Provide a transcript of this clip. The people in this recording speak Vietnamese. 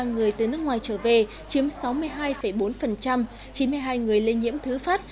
một trăm năm mươi ba người từ nước ngoài trở về chiếm sáu mươi hai bốn chín mươi hai người lây nhiễm thứ phát